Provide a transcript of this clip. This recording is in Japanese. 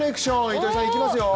糸井さん、いきますよ！